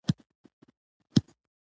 نه نصیب دي وو له چا سره لیکلی